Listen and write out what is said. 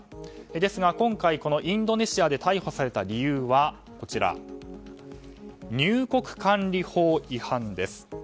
ですが、今回インドネシアで逮捕された理由は入国管理法違反です。